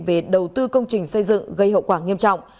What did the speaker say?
về đầu tư công trình xây dựng gây hậu quả nghiêm trọng